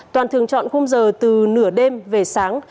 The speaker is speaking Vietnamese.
toàn thường chọn khung giờ từ nửa đêm về sáng